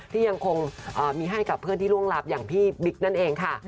ที่ยังคงมีให้กับเพื่อนที่ร่วงรับอย่างพี่บิ๊กนั่นเองค่ะ